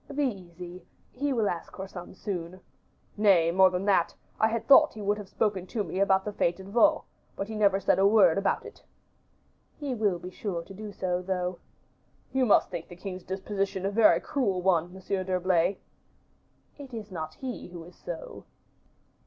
"Be easy, he will ask for some, soon." "Nay, more than that, I had thought he would have spoken to me about the fete at Vaux, but he never said a word about it." "He will be sure to do so, though." "You must think the king's disposition a very cruel one, Monsieur d'Herblay." "It is not he who is so."